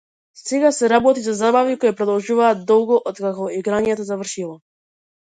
Сега се работи за забави кои продолжуваат долго откако играњето завршило.